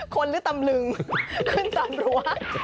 คนหรือตำรึงขึ้นตำรัว